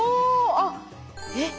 あっえっ